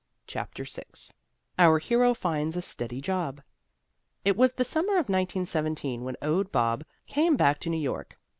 CHAPTER VI (OUR HERO FINDS A STEADY JOB) It was the summer of 1917 when Owd Bob came back to New York.